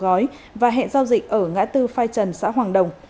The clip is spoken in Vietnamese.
giao dịch ở ngã tư phai trần xã hoàng đồng